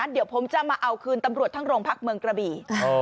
เดี๋ยวผมจะมาเอาคืนตำรวจทั้งโรงพักเมืองกระบี่